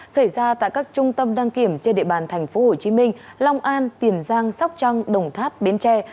xảy ra tại các trung tâm đăng kiểm trên địa bàn tp hcm long an tiền giang sóc trăng đồng tháp bến tre